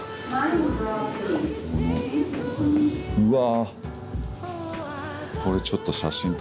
うわ。